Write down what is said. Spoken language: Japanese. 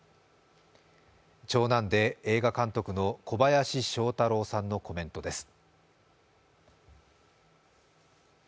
長男で映画監督の小林聖太郎さんのコメントです。